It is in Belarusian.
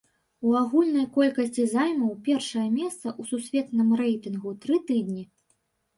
У агульнай колькасці займаў першае месца ў сусветным рэйтынгу тры тыдні.